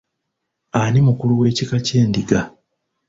Ani mukulu wekika ky'Endiga?